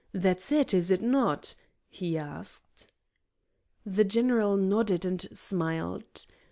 That's it, is it not?" he asked. The general nodded and smiled.